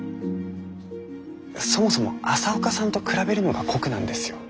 そもそも朝岡さんと比べるのが酷なんですよ。